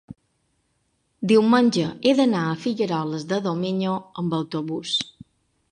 Diumenge he d'anar a Figueroles de Domenyo amb autobús.